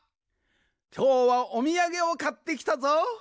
きょうはおみやげをかってきたぞ。